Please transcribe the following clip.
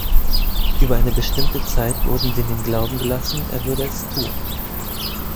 Über eine bestimmte Zeit wurden sie in dem Glauben gelassen, er würde es tun.